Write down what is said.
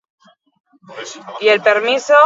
Harmailetako animoek ez dute oihartzunik bulegoetan.